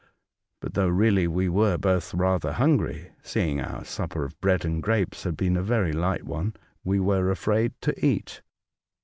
But, though really we were both rather hungry — seeing our supper of bread and grapes had been a very light one, — we were afraid to eat.